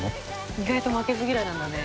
「意外と負けず嫌いなんだね」